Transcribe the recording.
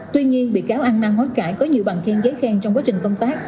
tuy nhiên bị cáo an năng hối cãi có nhiều bằng khen giấy khen trong quá trình công tác